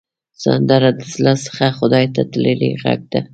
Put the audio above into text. سندره د زړه څخه خدای ته تللې غږ ده